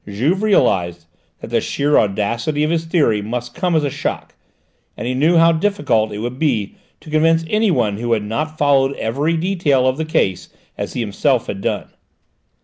Juve realised that the sheer audacity of his theory must come as a shock, and he knew how difficult it would be to convince anyone who had not followed every detail of the case as he himself had done.